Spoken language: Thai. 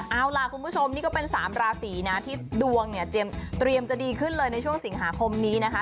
เอาล่ะคุณผู้ชมนี่ก็เป็น๓ราศีนะที่ดวงเนี่ยเตรียมจะดีขึ้นเลยในช่วงสิงหาคมนี้นะคะ